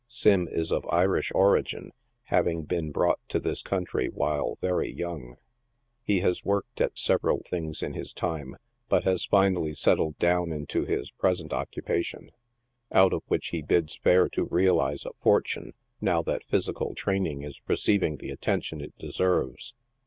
Sim is of Irish origin, having been brought to this country while very young. He has worked at several things in his time, but has finally settled down into his pre sent occupation, out of which he bids fair to realize a fortune, now that physical training is receiving the attention it deserves.